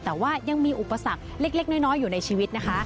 แต่ว่ายังมีอุปสรรคเล็กน้อยอยู่ในชีวิตนะคะ